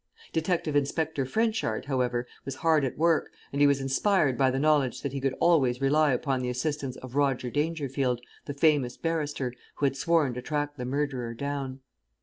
Detective Inspector Frenchard, however, was hard at work, and he was inspired by the knowledge that he could always rely upon the assistance of Roger Dangerfield, the famous barrister, who had sworn to track the murderer down.